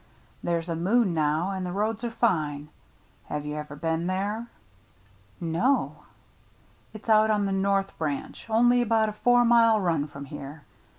There's a moon now, and the roads are fine. Have you ever been there ?" "No." "It's out on the north branch — only about a four mile run from here.